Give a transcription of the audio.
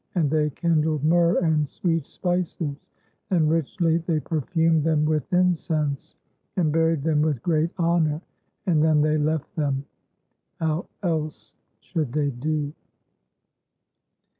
And they kindled myrrh and sweet spices, and richly they perfumed them with incense, and buried them with great honor; and then they left them — how else should they do?